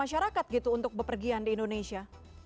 bukan minat masyarakat gitu untuk bepergian di indonesia